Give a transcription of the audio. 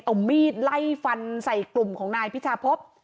เอามีดไล่ฟันใส่กลุ่มของนายพิชาพบ